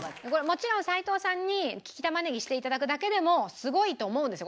もちろん齋藤さんに利き玉ねぎして頂くだけでもすごいと思うんですよ。